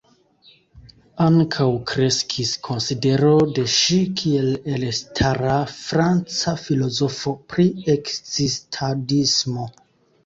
Ankaŭ kreskis konsidero de ŝi kiel elstara franca filozofo pri ekzistadismo.